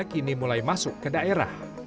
kini mulai masuk ke daerah